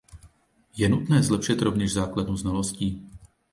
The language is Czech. Je nutné zlepšit rovněž základnu znalostí.